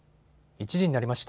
１時になりました。